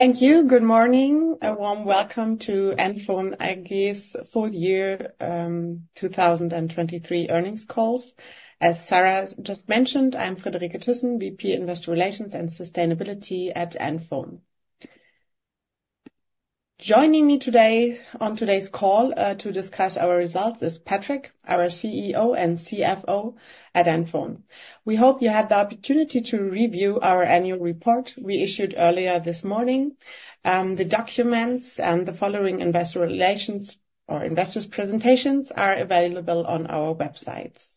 Thank you. Good morning and warm welcome to NFON, I guess, full year, 2023 earnings calls. As Sarah just mentioned, I'm Friederike Thyssen, VP Investor Relations and Sustainability at NFON. Joining me today on today's call, to discuss our results is Patrik, our CEO and CFO at NFON. We hope you had the opportunity to review our annual report we issued earlier this morning. The documents and the following investor relations or investors presentations are available on our websites.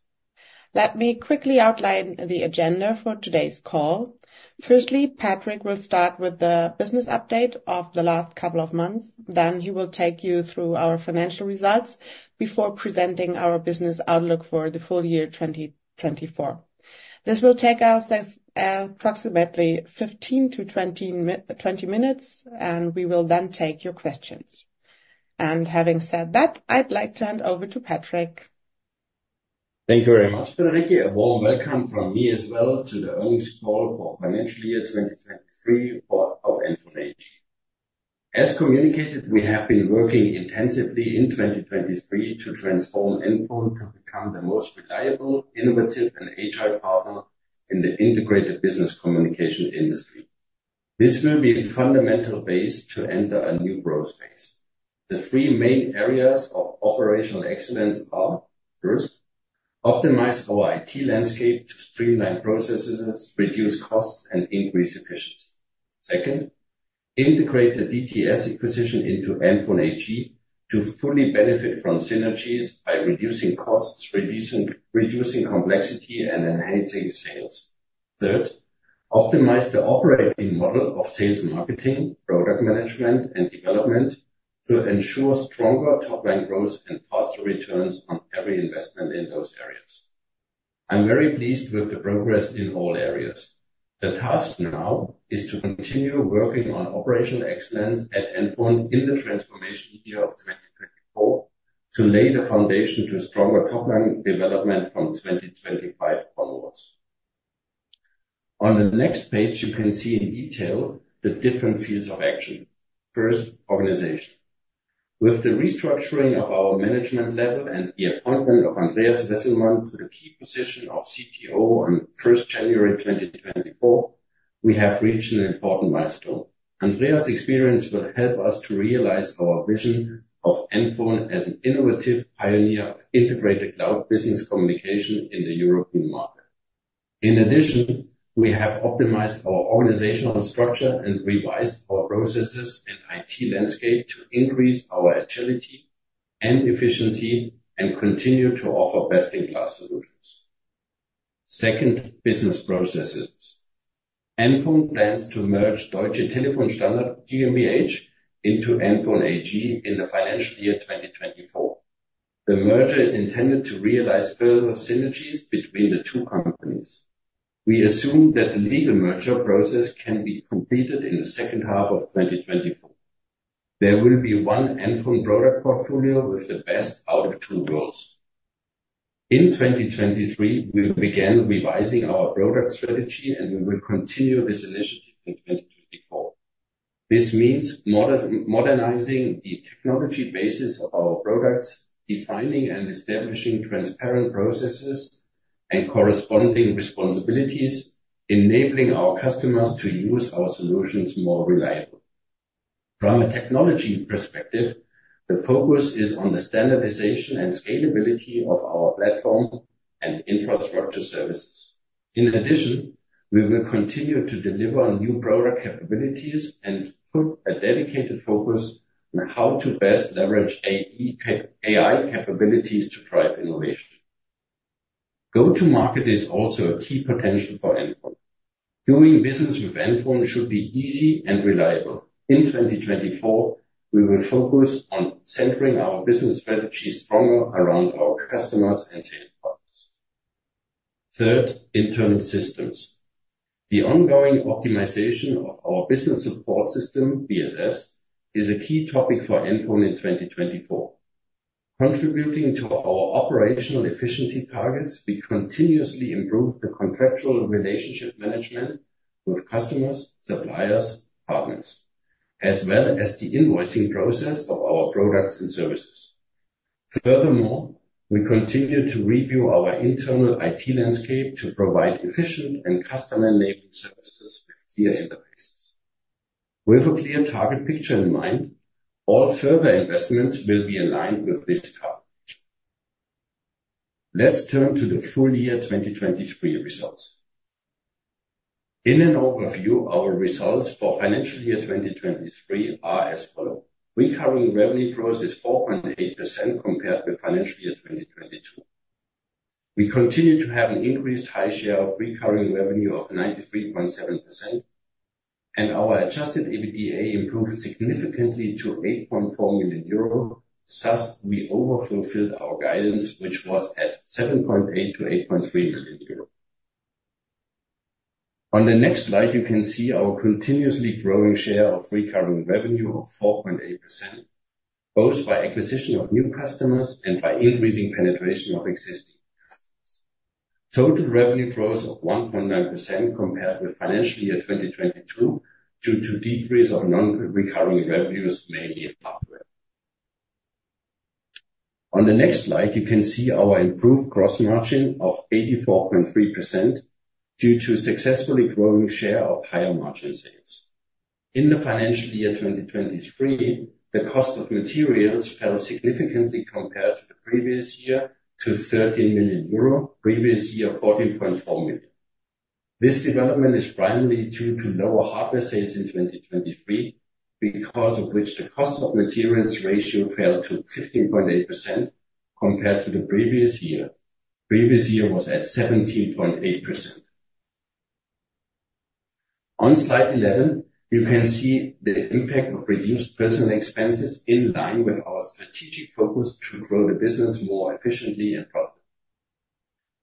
Let me quickly outline the agenda for today's call. Firstly, Patrik will start with the business update of the last couple of months, then he will take you through our financial results before presenting our business outlook for the full year 2024. This will take us approximately 15 to 20 minutes, and we will then take your questions. And having said that, I'd like to hand over to Patrik. Thank you very much. Friederike, a warm welcome from me as well to the earnings call for financial year 2023 of NFON AG. As communicated, we have been working intensively in 2023 to transform NFON to become the most reliable, innovative, and AI partner in the integrated business communication industry. This will be a fundamental base to enter a new growth phase. The three main areas of operational excellence are, first, optimize our IT landscape to streamline processes, reduce costs, and increase efficiency. Second, integrate the DTS acquisition into NFON AG to fully benefit from synergies by reducing costs, reducing complexity, and enhancing sales. Third, optimize the operating model of sales marketing, product management, and development to ensure stronger top-line growth and faster returns on every investment in those areas. I'm very pleased with the progress in all areas. The task now is to continue working on operational excellence at NFON in the transformation year of 2024 to lay the foundation to stronger top-line development from 2025 onwards. On the next page, you can see in detail the different fields of action. First, organization. With the restructuring of our management level and the appointment of Andreas Wesselmann to the key position of CTO on 1st January 2024, we have reached an important milestone. Andreas' experience will help us to realize our vision of NFON as an innovative pioneer of integrated cloud business communication in the European market. In addition, we have optimized our organizational structure and revised our processes and IT landscape to increase our agility and efficiency and continue to offer best-in-class solutions. Second, business processes. NFON plans to merge Deutsche Telefon Standard GmbH into NFON AG in the financial year 2024. The merger is intended to realize further synergies between the two companies. We assume that the legal merger process can be completed in the second half of 2024. There will be one NFON product portfolio with the best out of two worlds. In 2023, we will begin revising our product strategy, and we will continue this initiative in 2024. This means modernizing the technology basis of our products, defining and establishing transparent processes and corresponding responsibilities, enabling our customers to use our solutions more reliably. From a technology perspective, the focus is on the standardization and scalability of our platform and infrastructure services. In addition, we will continue to deliver new product capabilities and put a dedicated focus on how to best leverage AI-cap AI capabilities to drive innovation. Go-to-market is also a key potential for NFON. Doing business with NFON should be easy and reliable. In 2024, we will focus on centering our business strategy stronger around our customers and sales partners. Third, internal systems. The ongoing optimization of our business support system, BSS, is a key topic for NFON in 2024. Contributing to our operational efficiency targets, we continuously improve the contractual relationship management with customers, suppliers, partners, as well as the invoicing process of our products and services. Furthermore, we continue to review our internal IT landscape to provide efficient and customer-enabled services with clear interfaces. With a clear target picture in mind, all further investments will be aligned with this target picture. Let's turn to the full year 2023 results. In an overview, our results for financial year 2023 are as follows. Recurring revenue growth is 4.8% compared with financial year 2022. We continue to have an increased high share of recurring revenue of 93.7%, and our adjusted EBITDA improved significantly to 8.4 million euro, thus we over-fulfilled our guidance, which was at 7.8 million to 8.3 million euro. On the next slide, you can see our continuously growing share of recurring revenue of 4.8%, both by acquisition of new customers and by increasing penetration of existing customers. Total revenue growth of 1.9% compared with financial year 2022 due to decrease of non-recurring revenues, mainly hardware. On the next slide, you can see our improved gross margin of 84.3% due to successfully growing share of higher margin sales. In the financial year 2023, the cost of materials fell significantly compared to the previous year to 13 million euro, previous year 14.4 million. This development is primarily due to lower hardware sales in 2023, because of which the cost-of-materials ratio fell to 15.8% compared to the previous year. Previous year was at 17.8%. On slide 11, you can see the impact of reduced personnel expenses in line with our strategic focus to grow the business more efficiently and profitably.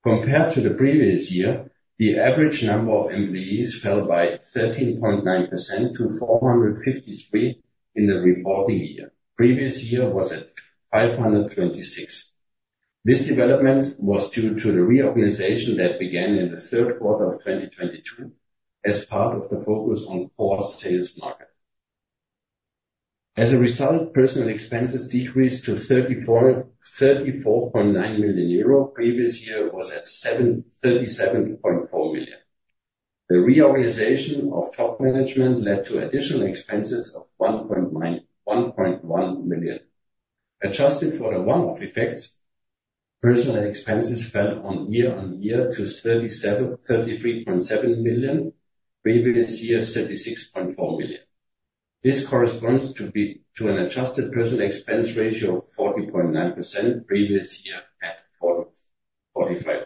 Compared to the previous year, the average number of employees fell by 13.9% to 453 in the reporting year. Previous year was at 526. This development was due to the reorganization that began in the Q3 of 2022 as part of the focus on core sales market. As a result, personnel expenses decreased to 34.9 million euro, previous year was at 37.4 million. The reorganization of top management led to additional expenses of 1.1 million. Adjusted for the one-off effects, personal expenses fell year-on-year to 33.7 million, previous year 36.4 million. This corresponds to an adjusted personal expense ratio of 40.9%, previous year at 40.5%.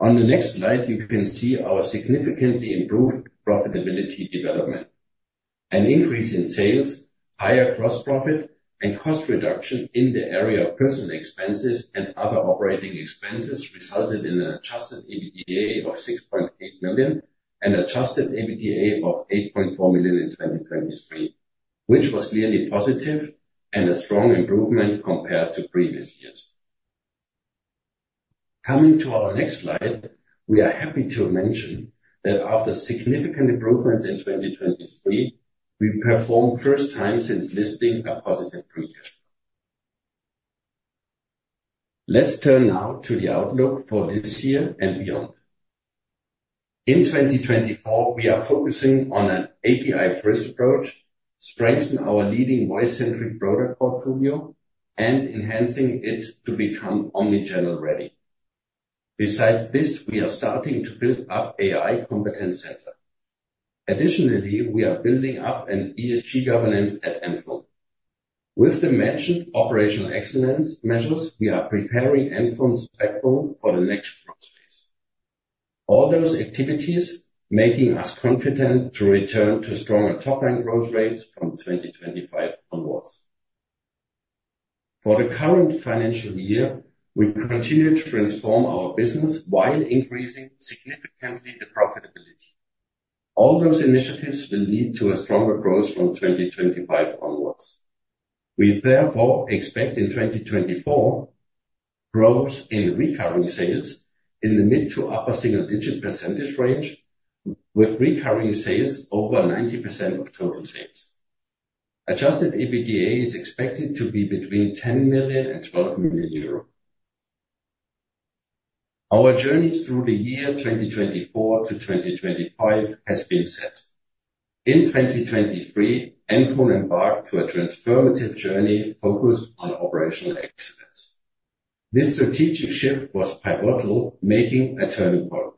On the next slide, you can see our significantly improved profitability development. An increase in sales, higher gross profit, and cost reduction in the area of personal expenses and other operating expenses resulted in an adjusted EBITDA of 6.8 million and adjusted EBITDA of 8.4 million in 2023, which was clearly positive and a strong improvement compared to previous years. Coming to our next slide, we are happy to mention that after significant improvements in 2023, we performed for the first time since listing a positive free cash flow. Let's turn now to the outlook for this year and beyond. In 2024, we are focusing on an API-first approach, strengthening our leading voice-centric product portfolio, and enhancing it to become omnichannel-ready. Besides this, we are starting to build up AI competence center. Additionally, we are building up an ESG governance at NFON. With the mentioned operational excellence measures, we are preparing NFON's backbone for the next growth phase. All those activities are making us confident to return to stronger top-line growth rates from 2025 onwards. For the current financial year, we continue to transform our business while increasing significantly the profitability. All those initiatives will lead to a stronger growth from 2025 onwards. We therefore expect in 2024 growth in recurring sales in the mid- to upper-single-digit percentage range, with recurring sales over 90% of total sales. Adjusted EBITDA is expected to be between 10 million and 12 million euro. Our journey through the year 2024 to 2025 has been set. In 2023, NFON embarked on a transformative journey focused on operational excellence. This strategic shift was pivotal, making a turning point.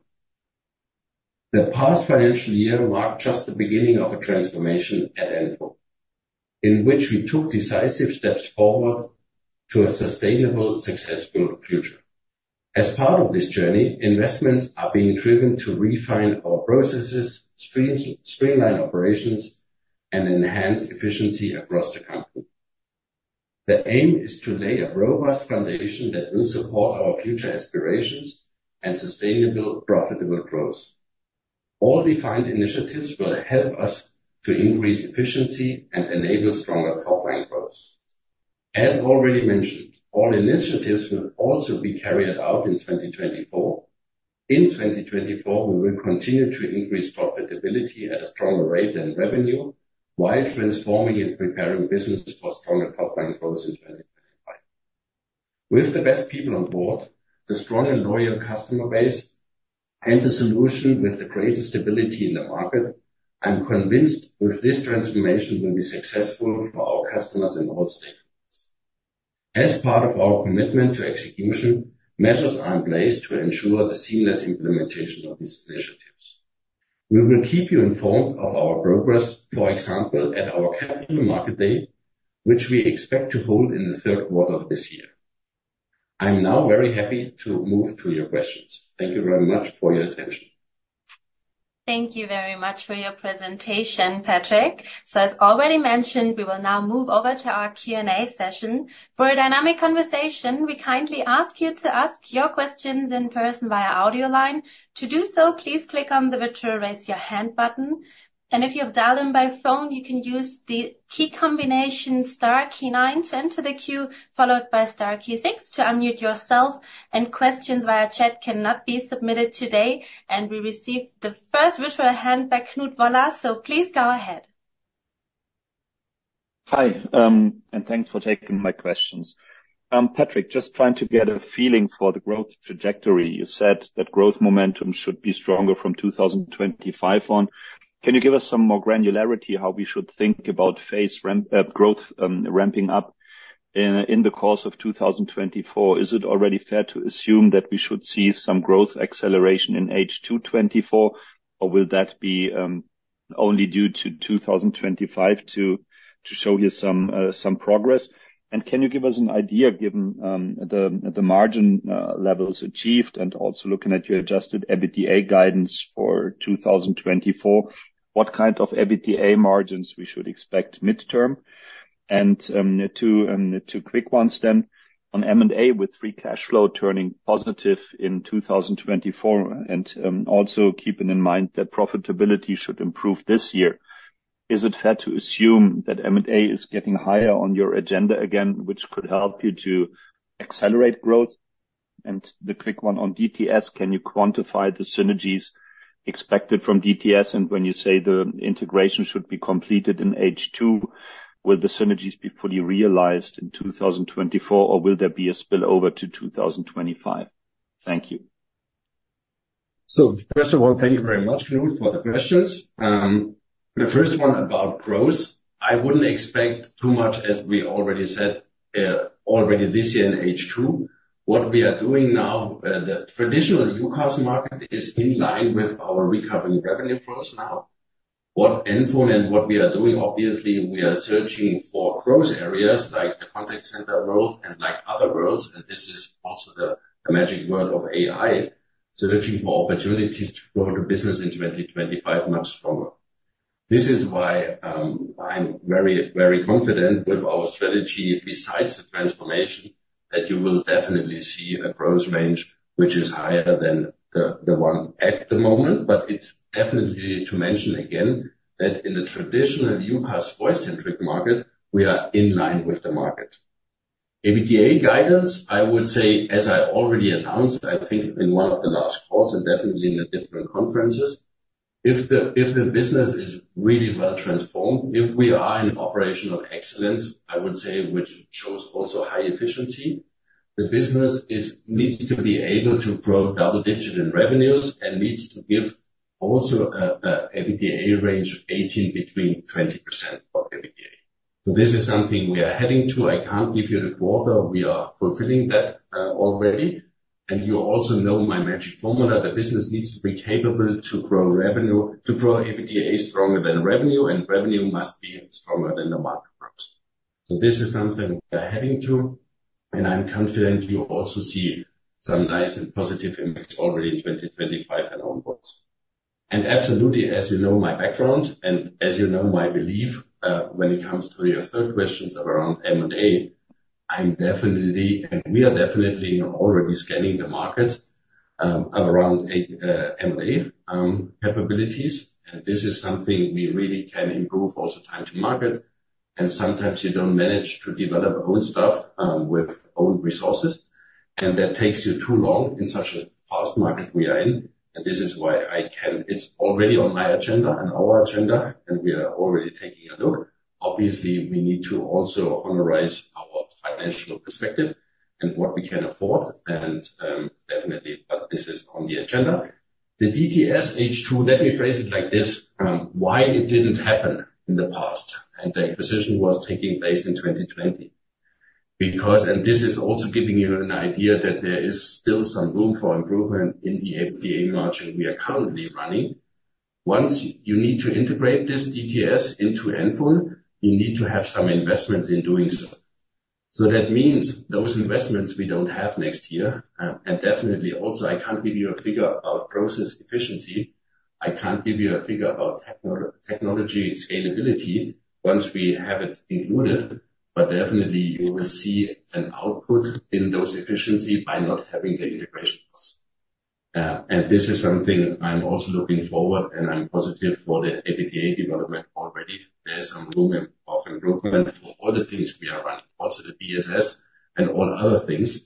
The past financial year marked just the beginning of a transformation at NFON, in which we took decisive steps forward to a sustainable, successful future. As part of this journey, investments are being driven to refine our processes, streamline operations, and enhance efficiency across the company. The aim is to lay a robust foundation that will support our future aspirations and sustainable, profitable growth. All defined initiatives will help us to increase efficiency and enable stronger top-line growth. As already mentioned, all initiatives will also be carried out in 2024. In 2024, we will continue to increase profitability at a stronger rate than revenue while transforming and preparing business for stronger top-line growth in 2025. With the best people on board, the stronger loyal customer base, and the solution with the greatest stability in the market, I'm convinced this transformation will be successful for our customers and all stakeholders. As part of our commitment to execution, measures are in place to ensure the seamless implementation of these initiatives. We will keep you informed of our progress, for example, at our capital market day, which we expect to hold in the Q3 of this year. I'm now very happy to move to your questions. Thank you very much for your attention. Thank you very much for your presentation, Patrik. So, as already mentioned, we will now move over to our Q&A session. For a dynamic conversation, we kindly ask you to ask your questions in person via audio line. To do so, please click on the virtual raise your hand button. And if you've dialed in by phone, you can use the key combination star key 9 to enter the queue, followed by star key 6 to unmute yourself, and questions via chat cannot be submitted today, and we received the first virtual hand by Knut Woller, so please go ahead. Hi, and thanks for taking my questions. Patrik, just trying to get a feeling for the growth trajectory. You said that growth momentum should be stronger from 2025 on. Can you give us some more granularity how we should think about phase ramp, growth, ramping up in the course of 2024? Is it already fair to assume that we should see some growth acceleration in H2 2024, or will that be only due to 2025 to show here some progress? And can you give us an idea given the margin levels achieved and also looking at your adjusted EBITDA guidance for 2024, what kind of EBITDA margins we should expect mid-term? And two quick ones then. On M&A with free cash flow turning positive in 2024, and also keeping in mind that profitability should improve this year. Is it fair to assume that M&A is getting higher on your agenda again, which could help you to accelerate growth? And the quick one on DTS, can you quantify the synergies expected from DTS? And when you say the integration should be completed in H2, will the synergies be fully realized in 2024, or will there be a spillover to 2025? Thank you. So, first of all, thank you very much, Knut, for the questions. The first one about growth, I wouldn't expect too much, as we already said, already this year in H2. What we are doing now, the traditional UCaaS market is in line with our recurring revenue growth now. What NFON and what we are doing, obviously, we are searching for growth areas like the contact center world and like other worlds, and this is also the magic word of AI, searching for opportunities to grow the business in 2025 much stronger. This is why, I'm very, very confident with our strategy besides the transformation that you will definitely see a growth range which is higher than the one at the moment, but it's definitely to mention again that in the traditional UCaaS voice-centric market, we are in line with the market. EBITDA guidance, I would say, as I already announced, I think in one of the last calls and definitely in the different conferences, if the business is really well transformed, if we are in operational excellence, I would say, which shows also high efficiency, the business needs to be able to grow double-digit in revenues and needs to give also an EBITDA range of 18% to 20% of EBITDA. So this is something we are heading to. I can't give you the quarter. We are fulfilling that, already. And you also know my magic formula. The business needs to be capable to grow revenue, to grow EBITDA stronger than revenue, and revenue must be stronger than the market growth. So this is something we are heading to, and I'm confident you also see some nice and positive image already in 2025 and onwards. And absolutely, as you know, my background, and as you know, my belief, when it comes to your third questions around M&A, I'm definitely and we are definitely already scanning the markets around M&A capabilities, and this is something we really can improve also time to market, and sometimes you don't manage to develop own stuff with own resources, and that takes you too long in such a fast market we are in, and this is why I can, it's already on my agenda and our agenda, and we are already taking a look. Obviously, we need to also harmonize our financial perspective and what we can afford, and definitely, but this is on the agenda. The DTS H2, let me phrase it like this, why it didn't happen in the past, and the acquisition was taking place in 2020. Because, and this is also giving you an idea that there is still some room for improvement in the EBITDA margin we are currently running. Once you need to integrate this DTS into NFON, you need to have some investments in doing so. So that means those investments we don't have next year, and definitely also I can't give you a figure about process efficiency. I can't give you a figure about technology scalability once we have it included, but definitely you will see an output in those efficiencies by not having the integration costs. And this is something I'm also looking forward, and I'm positive for the EBITDA development already. There's some room of improvement for all the things we are running, also the BSS and all other things.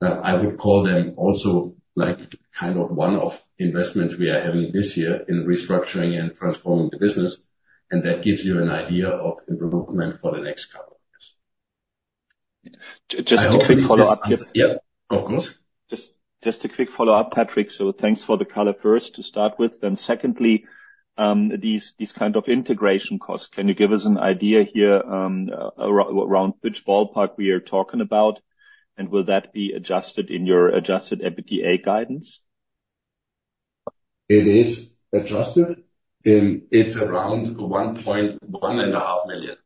I would call them also like kind of one of investments we are having this year in restructuring and transforming the business, and that gives you an idea of improvement for the next couple of years. Just a quick follow-up here. Yep, of course. Just, just a quick follow-up, Patrik. So thanks for the color first to start with. Then secondly, these, these kind of integration costs, can you give us an idea here, around which ballpark we are talking about, and will that be adjusted in your adjusted EBITDA guidance? It is adjusted. It's around 1.6 million.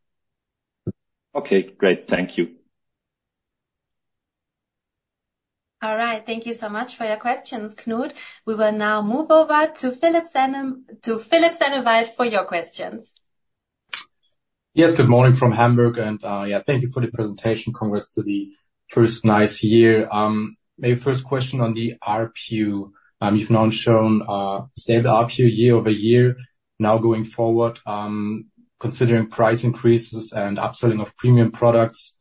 Okay, great. Thank you. All right. Thank you so much for your questions, Knut. We will now move over to Philip Sennewald for your questions. Yes, good morning from Hamburg, and yeah, thank you for the presentation. Congrats to the first nice year. Maybe first question on the RPU. You've now shown stable RPU year-over-year. Now going forward, considering price increases and upselling of premium products,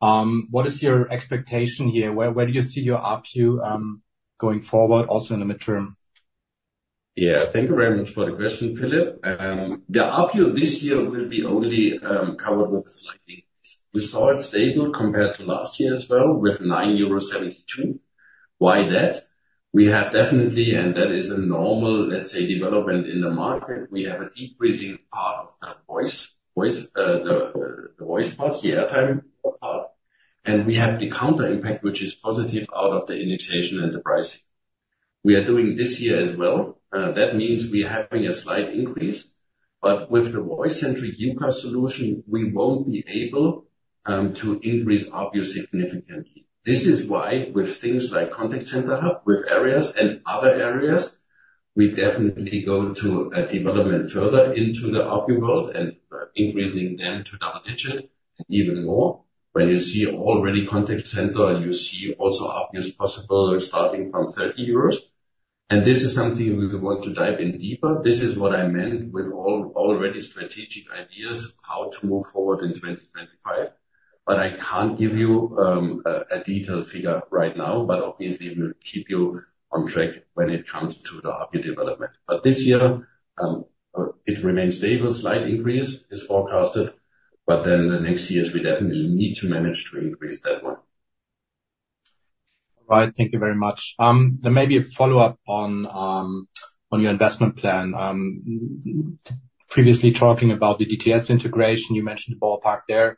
what is your expectation here? Where, where do you see your RPU going forward, also in the midterm? Yeah, thank you very much for the question, Philip. The RPU this year will be only covered with a slight decrease. We saw it stable compared to last year as well with 9.72 euro. Why that? We have definitely, and that is a normal, let's say, development in the market. We have a decreasing part of the voice part, the airtime part, and we have the counter impact, which is positive out of the indexation and the pricing we are doing this year as well. That means we are having a slight increase, but with the voice-centric UCaaS solution, we won't be able to increase RPU significantly. This is why with things like Contact Center Hub, with areas and other areas, we definitely go to development further into the RPU world and increasing them to double-digit and even more. When you see already contact center, you see also RPUs possible starting from 30 euros. And this is something we want to dive in deeper. This is what I meant with all already strategic ideas how to move forward in 2025, but I can't give you a detailed figure right now, but obviously we'll keep you on track when it comes to the RPU development. But this year, it remains stable. Slight increase is forecasted, but then the next years we definitely need to manage to increase that one. All right. Thank you very much. Then maybe a follow-up on your investment plan. Previously talking about the DTS integration, you mentioned the ballpark there.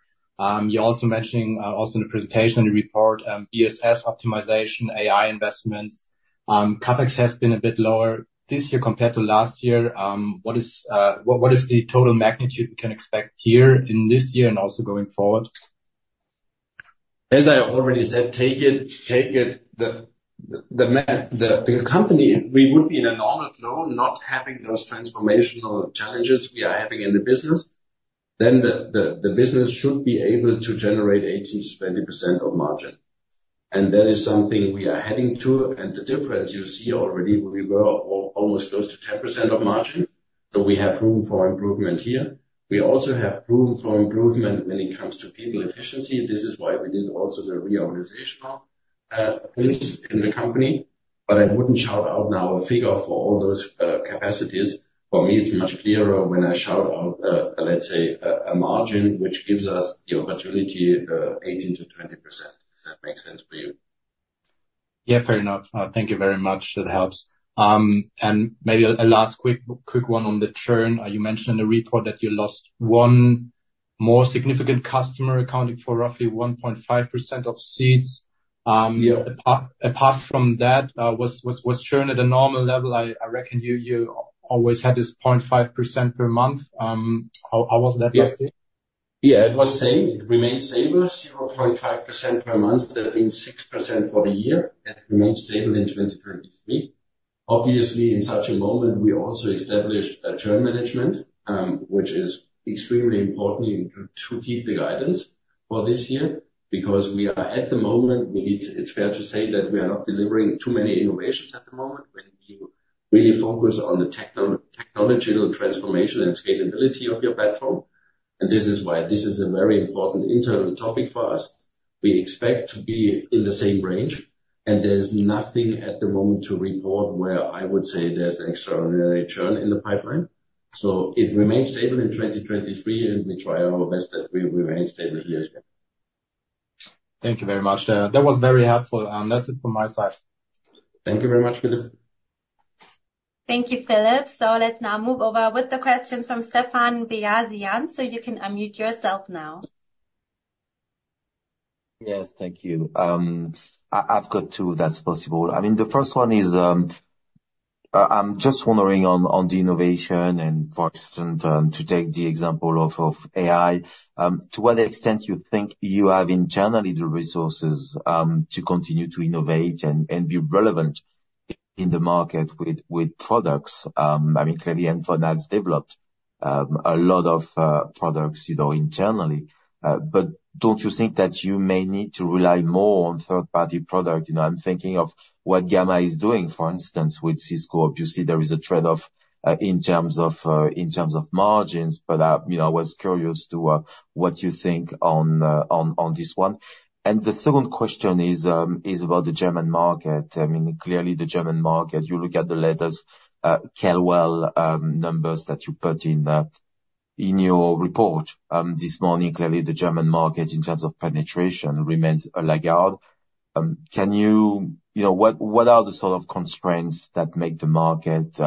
You're also mentioning, also in the presentation and the report, BSS optimization, AI investments. CapEx has been a bit lower this year compared to last year. What is the total magnitude we can expect here in this year and also going forward? As I already said, take it, take it. The company, if we would be in a normal flow, not having those transformational challenges we are having in the business, then the business should be able to generate 18% to 20% of margin. And that is something we are heading to, and the difference you see already, we were almost close to 10% of margin, so we have room for improvement here. We also have room for improvement when it comes to people efficiency. This is why we did also the reorganizational things in the company, but I wouldn't shout out now a figure for all those capacities. For me, it's much clearer when I shout out, let's say, a margin, which gives us the opportunity, 18% to 20%. Does that make sense for you? Yeah, fair enough. Thank you very much. That helps. Maybe a last quick one on the churn. You mentioned in the report that you lost one more significant customer accounting for roughly 1.5% of seats. Apart from that, was churn at a normal level? I reckon you always had this 0.5% per month. How was that last year? Yeah, it was same. It remained stable. 0.5% per month. That means 6% for the year. It remained stable in 2023. Obviously, in such a moment, we also established a churn management, which is extremely important to keep the guidance for this year because we are at the moment, we need it's fair to say that we are not delivering too many innovations at the moment when you really focus on the technological transformation and scalability of your platform. And this is why this is a very important internal topic for us. We expect to be in the same range, and there's nothing at the moment to report where I would say there's an extraordinary churn in the pipeline. So it remains stable in 2023, and we try our best that we remain stable here as well. Thank you very much. That was very helpful. That's it from my side. Thank you very much, Philip. Thank you, Philip. So let's now move over with the questions from Stefan Beyazian. So you can unmute yourself now. Yes, thank you. I've got two that's possible. I mean, the first one is, I'm just wondering on, on the innovation and for instance, to take the example of, of AI, to what extent you think you have internally the resources, to continue to innovate and, and be relevant in the market with, with products. I mean, clearly, NFON has developed, a lot of, products, you know, internally. But don't you think that you may need to rely more on third-party product? You know, I'm thinking of what Gamma is doing, for instance, with Cisco. Obviously, there is a trade-off, in terms of, in terms of margins, but, you know, I was curious to, what you think on, on, on this one. And the second question is, is about the German market. I mean, clearly, the German market, you look at the latest, Cavell, numbers that you put in, in your report, this morning, clearly, the German market in terms of penetration remains a laggard. Can you, you know, what, what are the sort of constraints that make the market,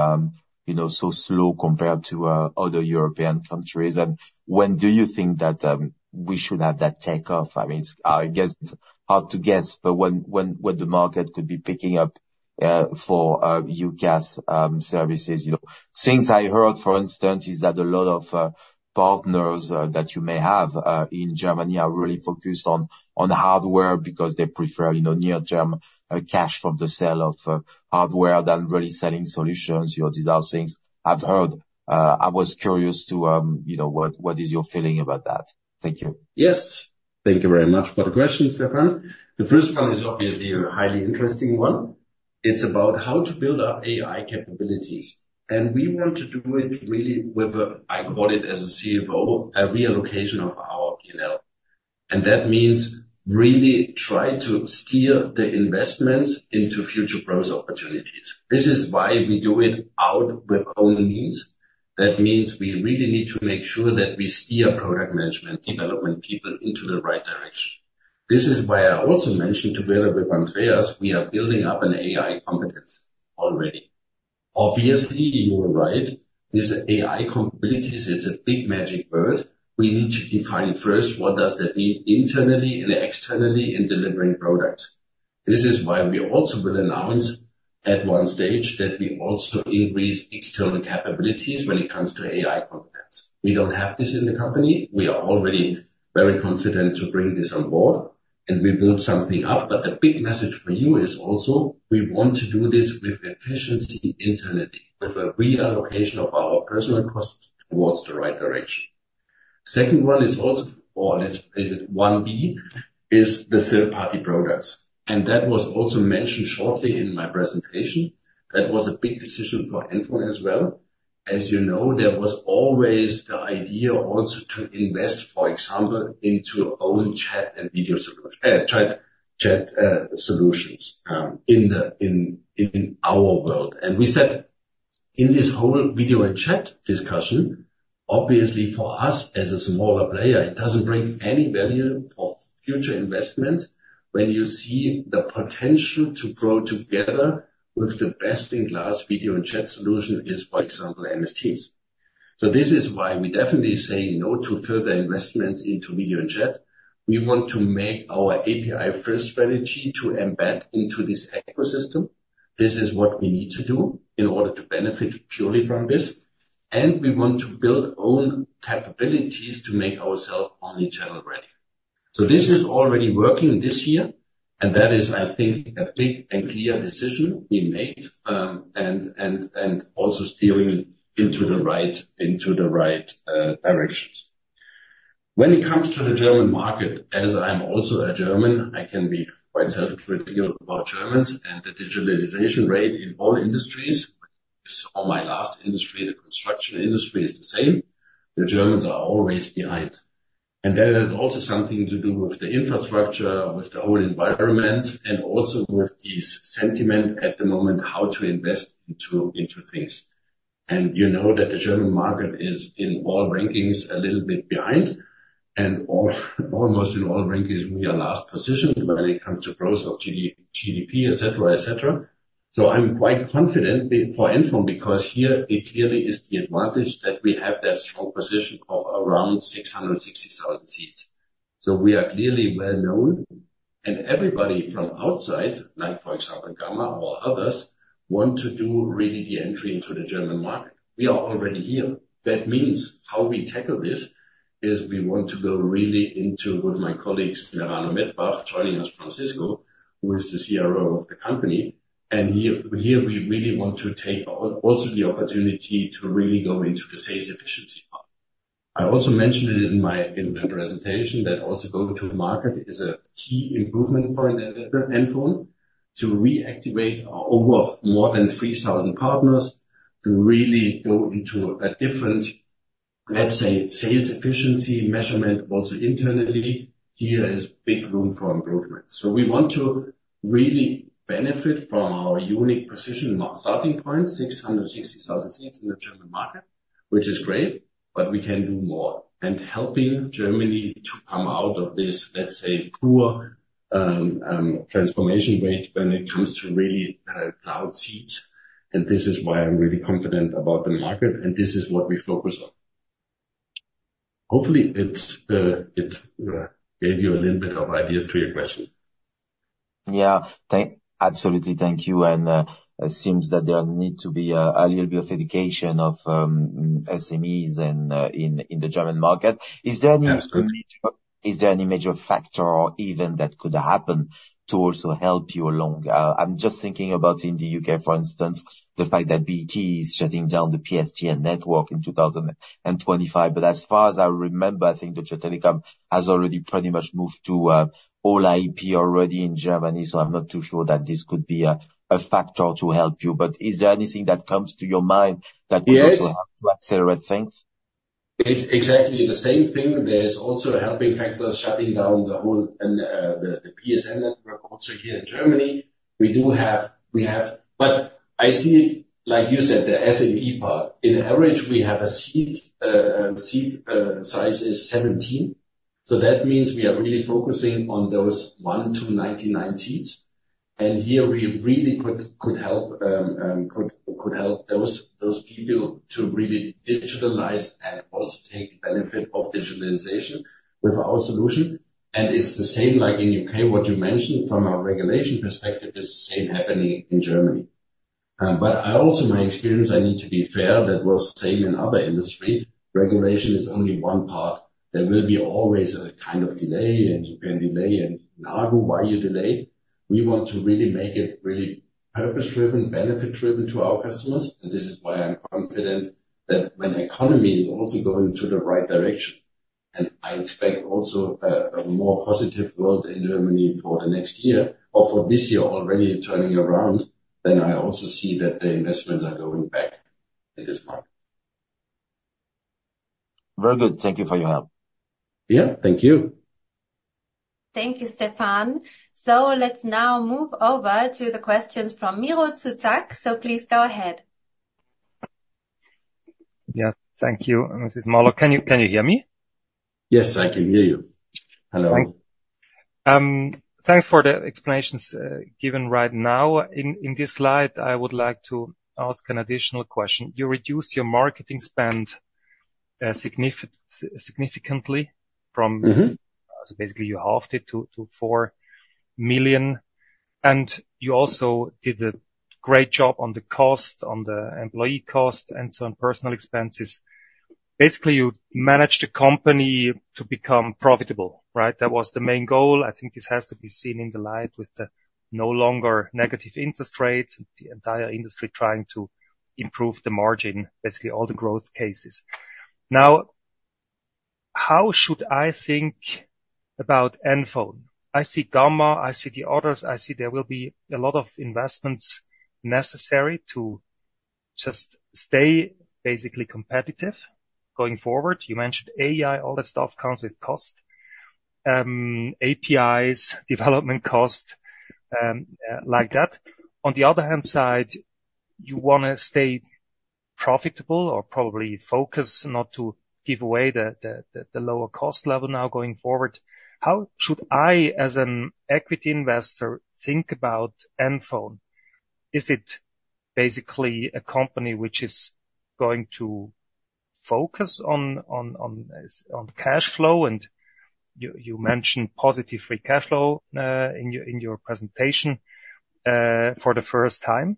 you know, so slow compared to, other European countries? And when do you think that, we should have that takeoff? I mean, it's, I guess, it's hard to guess, but when, when, when the market could be picking up, for, UCaaS, services, you know, things I heard, for instance, is that a lot of, partners, that you may have, in Germany are really focused on, on hardware because they prefer, you know, near-term, cash from the sale of, hardware than really selling solutions, you know, these are things I've heard. I was curious to, you know, what is your feeling about that? Thank you. Yes. Thank you very much for the question, Stefan. The first one is obviously a highly interesting one. It's about how to build up AI capabilities. And we want to do it really with a, I call it as a CFO, a relocation of our P&L. And that means really try to steer the investments into future growth opportunities. This is why we do it out with own means. That means we really need to make sure that we steer product management development people into the right direction. This is why I also mentioned together with Andreas, we are building up an AI competence already. Obviously, you're right. These AI capabilities, it's a big magic word. We need to define first what does that mean internally and externally in delivering products. This is why we also will announce at one stage that we also increase external capabilities when it comes to AI competence. We don't have this in the company. We are already very confident to bring this on board, and we build something up. But the big message for you is also we want to do this with efficiency internally, with a relocation of our personnel costs towards the right direction. Second one is also, or let's phrase it 1B, is the third-party products. And that was also mentioned shortly in my presentation. That was a big decision for NFON as well. As you know, there was always the idea also to invest, for example, into own chat and video solutions, chat solutions, in our world. We said in this whole video and chat discussion, obviously for us as a smaller player, it doesn't bring any value for future investments when you see the potential to grow together with the best-in-class video and chat solution is, for example, MS Teams. So this is why we definitely say no to further investments into video and chat. We want to make our API-first strategy to embed into this ecosystem. This is what we need to do in order to benefit purely from this. And we want to build own capabilities to make ourselves omnichannel ready. So this is already working this year, and that is, I think, a big and clear decision we made, and also steering into the right directions. When it comes to the German market, as I'm also a German, I can be quite self-critical about Germans and the digitalization rate in all industries. You saw my last industry, the construction industry is the same. The Germans are always behind. And that is also something to do with the infrastructure, with the whole environment, and also with this sentiment at the moment, how to invest into, into things. And you know that the German market is in all rankings a little bit behind, and almost in all rankings, we are last positioned when it comes to growth of GDP, etc., etc. So I'm quite confident for NFON because here it clearly is the advantage that we have that strong position of around 660,000 seats. So we are clearly well known, and everybody from outside, like for example, Gamma or others, want to do really the entry into the German market. We are already here. That means how we tackle this is we want to go really into, with my colleague Merano Mettbach joining us from Cisco, who is the CRO of the company. And here we really want to take also the opportunity to really go into the sales efficiency part. I also mentioned it in my presentation that also going to market is a key improvement point at NFON to reactivate over more than 3,000 partners to really go into a different, let's say, sales efficiency measurement also internally. Here is big room for improvement. So we want to really benefit from our unique position, starting point, 660,000 seats in the German market, which is great, but we can do more and helping Germany to come out of this, let's say, poor, transformation rate when it comes to really, cloud seats. And this is why I'm really confident about the market, and this is what we focus on. Hopefully, it, it, gave you a little bit of ideas to your question. Yeah, thanks absolutely. Thank you. It seems that there needs to be a little bit of education of SMEs and in the German market. Is there any major factor or event that could happen to also help you along? I'm just thinking about, in the U.K., for instance, the fact that BT is shutting down the PSTN network in 2025. But as far as I remember, I think Deutsche Telekom has already pretty much moved to all IP already in Germany. So I'm not too sure that this could be a factor to help you. But is there anything that comes to your mind that could also help to accelerate things? It's exactly the same thing. There's also helping factors shutting down the whole, the PSTN network also here in Germany. We have, but I see it like you said, the SME part. In average, we have a seat size is 17. So that means we are really focusing on those 1 to 99 seats. And here we really could help those people to really digitalize and also take the benefit of digitalization with our solution. And it's the same, like in U.K., what you mentioned from a regulation perspective is the same happening in Germany. But I also, my experience, I need to be fair, that was same in other industry. Regulation is only one part. There will be always a kind of delay, and you can delay and argue why you delay. We want to really make it really purpose-driven, benefit-driven to our customers. This is why I'm confident that when the economy is also going to the right direction, and I expect also a more positive world in Germany for the next year or for this year already turning around, then I also see that the investments are going back in this market. Very good. Thank you for your help. Yeah, thank you. Thank you, Stefan. Let's now move over to the questions from Miro Zuzak. Please go ahead. Yeah, thank you, Mrs. Maurer. Can you, can you hear me? Yes, I can hear you. Hello. Thanks. Thanks for the explanations given right now. In this slide, I would like to ask an additional question. You reduced your marketing spend significantly from, so basically you halved it to 4 million. And you also did a great job on the cost, on the employee cost, and so on, personnel expenses. Basically, you managed the company to become profitable, right? That was the main goal. I think this has to be seen in the light with the no longer negative interest rates, the entire industry trying to improve the margin, basically all the growth cases. Now, how should I think about NFON? I see Gamma, I see the others. I see there will be a lot of investments necessary to just stay basically competitive going forward. You mentioned AI, all that stuff counts with cost, APIs, development cost, like that. On the other hand side, you want to stay profitable or probably focus not to give away the lower cost level now going forward. How should I as an equity investor think about NFON? Is it basically a company which is going to focus on cash flow? And you mentioned positive free cash flow in your presentation for the first time.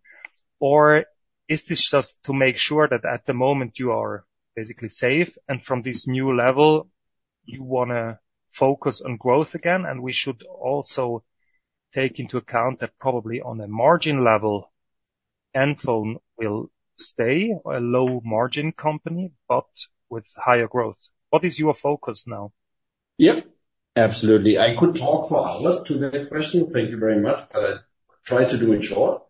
Or is this just to make sure that at the moment you are basically safe and from this new level, you want to focus on growth again? And we should also take into account that probably on a margin level, NFON will stay a low-margin company, but with higher growth. What is your focus now? Yeah, absolutely. I could talk for hours to that question. Thank you very much, but I try to do it short.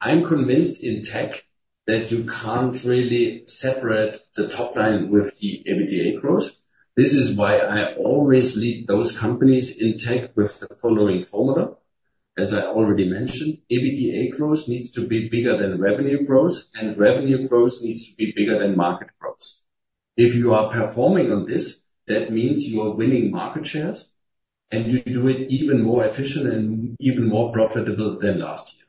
I'm convinced in tech that you can't really separate the top line with the EBITDA growth. This is why I always lead those companies in tech with the following formula. As I already mentioned, EBITDA growth needs to be bigger than revenue growth, and revenue growth needs to be bigger than market growth. If you are performing on this, that means you are winning market shares, and you do it even more efficient and even more profitable than last year.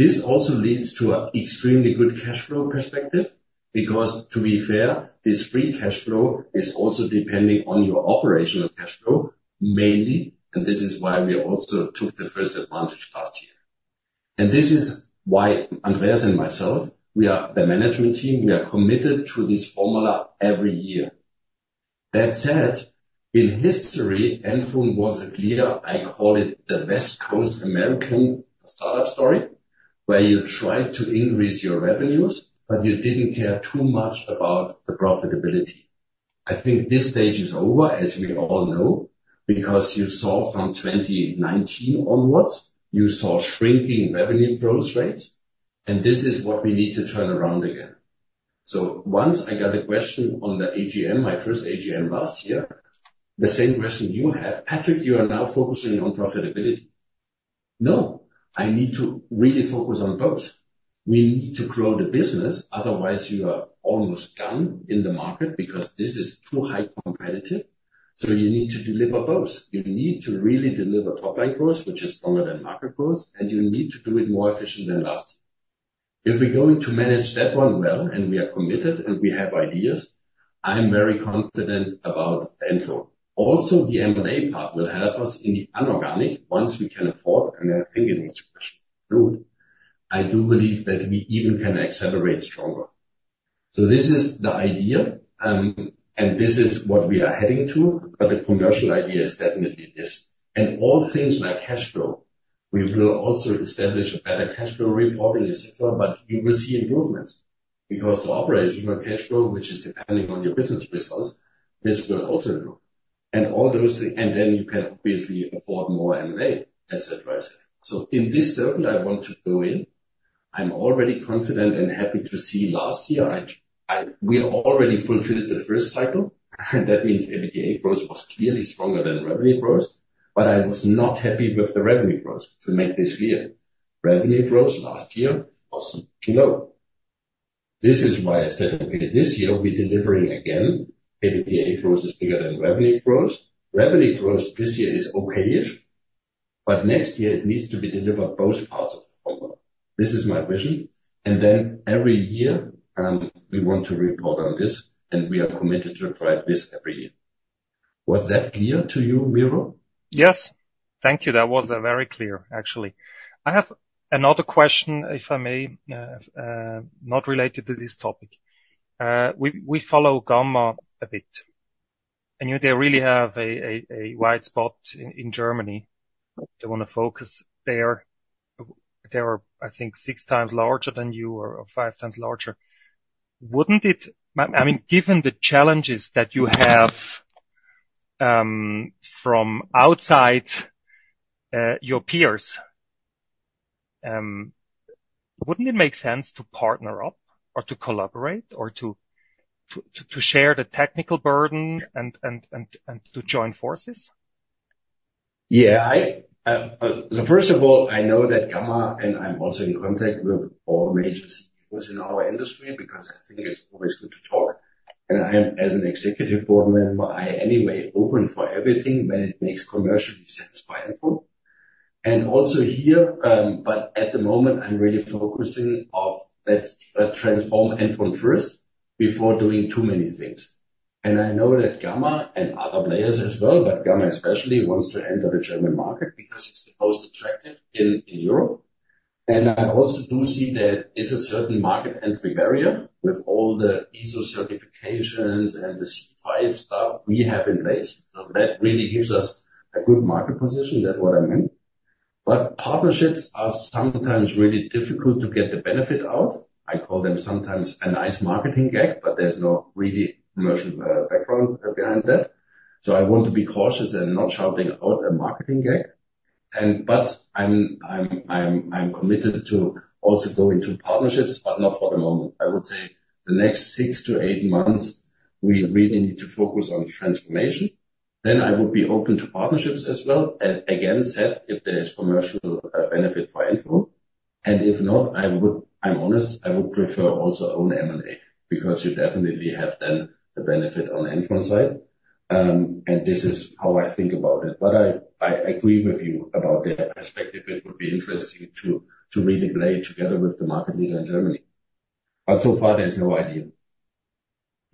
This also leads to an extremely good cash flow perspective because, to be fair, this free cash flow is also depending on your operational cash flow mainly. This is why we also took the first advantage last year. This is why Andreas and myself, we are the management team, we are committed to this formula every year. That said, in history, NFON was a clear, I call it the West Coast American startup story, where you tried to increase your revenues, but you didn't care too much about the profitability. I think this stage is over, as we all know, because you saw from 2019 onwards, you saw shrinking revenue growth rates. This is what we need to turn around again. Once I got a question on the AGM, my first AGM last year, the same question you have, Patrick, you are now focusing on profitability. No, I need to really focus on both. We need to grow the business. Otherwise, you are almost gone in the market because this is too high competitive. You need to deliver both. You need to really deliver top line growth, which is stronger than market growth, and you need to do it more efficient than last year. If we're going to manage that one well, and we are committed, and we have ideas, I'm very confident about NFON. Also, the M&A part will help us in the inorganic once we can afford, and I think it was a question for Ruth. I do believe that we even can accelerate stronger. So this is the idea, and this is what we are heading to. But the commercial idea is definitely this. And all things like cash flow, we will also establish a better cash flow reporting, etc., but you will see improvements because the operational cash flow, which is depending on your business results, this will also improve. And all those things, and then you can obviously afford more M&A, etc., etc. So in this circle, I want to go in. I'm already confident and happy to see last year, I, we already fulfilled the first cycle. That means EBITDA growth was clearly stronger than revenue growth, but I was not happy with the revenue growth to make this clear. Revenue growth last year was too low. This is why I said, okay, this year we're delivering again. EBITDA growth is bigger than revenue growth. Revenue growth this year is okay-ish, but next year it needs to be delivered both parts of the formula. This is my vision. And then every year, we want to report on this, and we are committed to try this every year. Was that clear to you, Miro? Yes, thank you. That was very clear, actually. I have another question, if I may, not related to this topic. We follow Gamma a bit. I know they really have a white space in Germany. They want to focus there. They are, I think, six times larger than you or five times larger. Wouldn't it, I mean, given the challenges that you have, from outside, your peers, wouldn't it make sense to partner up or to collaborate or to share the technical burden and to join forces? Yeah, so first of all, I know that Gamma, and I'm also in contact with all major CEOs in our industry because I think it's always good to talk. As an executive board member, I'm anyway open for everything when it makes commercial sense for NFON. Also here, but at the moment, I'm really focusing on, let's transform NFON first before doing too many things. I know that Gamma and other players as well, but Gamma especially wants to enter the German market because it's the most attractive in Europe. I also do see that it's a certain market entry barrier with all the ISO certifications and the C5 stuff we have in place. So that really gives us a good market position. That's what I meant. But partnerships are sometimes really difficult to get the benefit out. I call them sometimes a nice marketing gag, but there's no really commercial background behind that. So I want to be cautious and not shouting out a marketing gag. But I'm committed to also going to partnerships, but not for the moment. I would say the next 6-8 months, we really need to focus on transformation. Then I would be open to partnerships as well, again said, if there is commercial benefit for NFON. And if not, I would, I'm honest, I would prefer also own M&A because you definitely have then the benefit on NFON side. And this is how I think about it. But I agree with you about that perspective. It would be interesting to really play together with the market leader in Germany. But so far, there's no idea.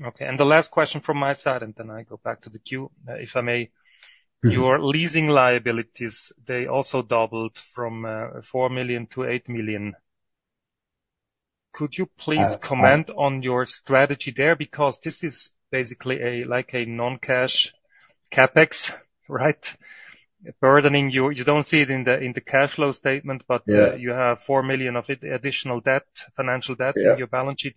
Okay. And the last question from my side, and then I go back to the queue, if I may. Your leasing liabilities, they also doubled from 4 million to 8 million. Could you please comment on your strategy there? Because this is basically a, like a non-cash CapEx, right? Burdening you. You don't see it in the, in the cash flow statement, but, you have 4 million of it, additional debt, financial debt in your balance sheet.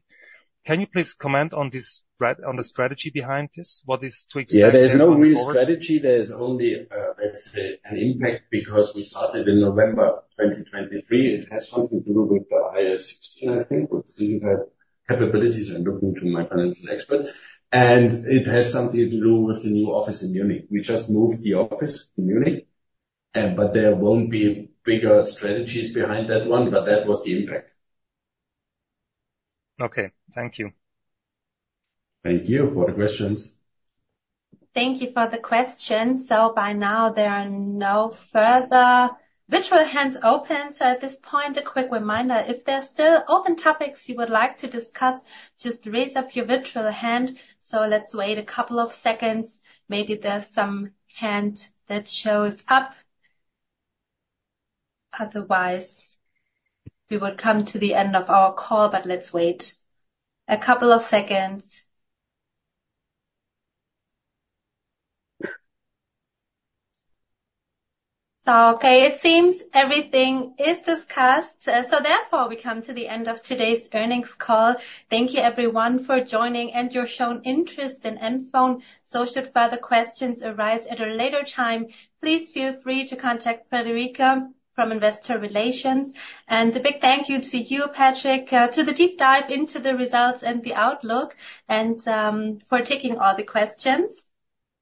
Can you please comment on this, on the strategy behind this? What is to expect? Yeah, there's no real strategy. There's only, let's say, an impact because we started in November 2023. It has something to do with the IFRS 16, I think, which you have capabilities. I'm looking to my financial expert. And it has something to do with the new office in Munich. We just moved the office in Munich, but there won't be bigger strategies behind that one. But that was the impact. Okay. Thank you. Thank you for the questions. Thank you for the questions. So by now, there are no further virtual hands open. So at this point, a quick reminder, if there's still open topics you would like to discuss, just raise up your virtual hand. So let's wait a couple of seconds. Maybe there's some hand that shows up. Otherwise, we would come to the end of our call, but let's wait a couple of seconds. So, okay, it seems everything is discussed. So therefore, we come to the end of today's earnings call. Thank you, everyone, for joining and your shown interest in NFON. So should further questions arise at a later time, please feel free to contact Friederike from Investor Relations. And a big thank you to you, Patrik, to the deep dive into the results and the outlook and for taking all the questions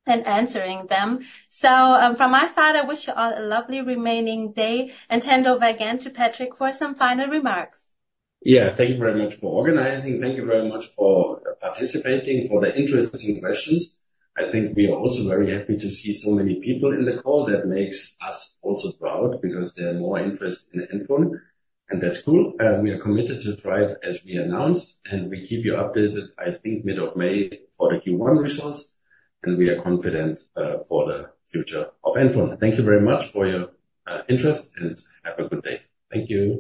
and answering them. From my side, I wish you all a lovely remaining day and hand over again to Patrik for some final remarks. Yeah, thank you very much for organizing. Thank you very much for participating, for the interesting questions. I think we are also very happy to see so many people in the call. That makes us also proud because there are more interest in NFON. And that's cool. We are committed to try it as we announced, and we keep you updated, I think, mid-May for the Q1 results. And we are confident for the future of NFON. Thank you very much for your interest and have a good day. Thank you.